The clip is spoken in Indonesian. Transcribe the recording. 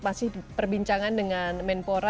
masih perbincangan dengan menpora